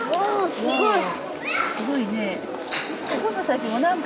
すごいね。